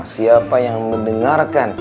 siapa yang mendengarkan